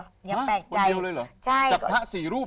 คนเดียวเลยเหรอจับถะ๔รูป